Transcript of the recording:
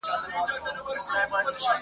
هره ورځ به دي تور مار بچي څارله ..